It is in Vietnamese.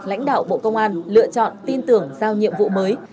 lãnh đạo bộ công an lựa chọn tin tưởng giao nhiệm vụ mới